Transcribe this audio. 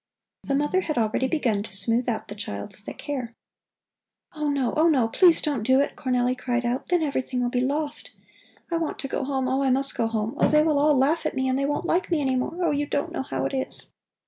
The mother had already begun to smooth out the child's thick hair. "Oh no, oh no, please don't do it!" Cornelli cried out, "then everything will be lost. I want to go home, oh, I must go home! Oh, they will all laugh at me and they won't like me any more. Oh, you don't know how it is."